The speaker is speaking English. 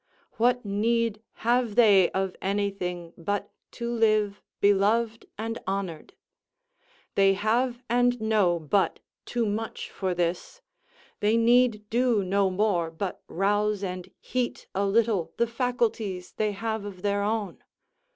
What need have they of anything but to live beloved and honoured? They have and know but too much for this: they need do no more but rouse and heat a little the faculties they have of their own.